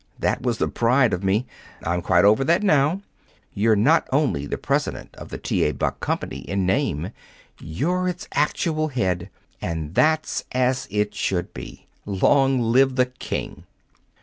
That was the pride of me. I'm quite over that now. You're not only president of the T. A. Buck Company in name. You're its actual head. And that's as it should be. Long live the King!"